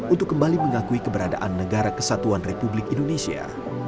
untuk kembali mengakui keberadaan negara kesatuan republik indonesia